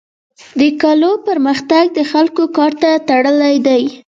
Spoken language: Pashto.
د کلو پرمختګ د خلکو کار ته تړلی دی.